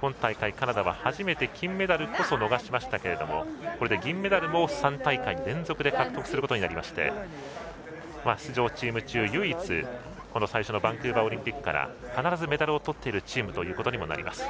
今大会カナダは初めて金メダルこそ逃しましたけれどもこれで銀メダルも３大会連続で獲得することになりまして出場チーム中、唯一この最初のバンクーバーオリンピックから必ずメダルをとっているチームということにもなります。